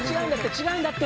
違うんだって！